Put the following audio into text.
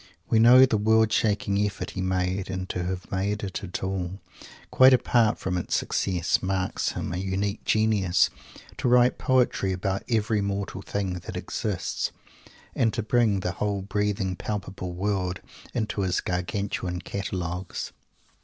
We know the world shaking effort he made and to have made it at all, quite apart from its success, marks him a unique genius! to write poetry about every mortal thing that exists, and to bring the whole breathing palpable world into his Gargantuan Catalogues.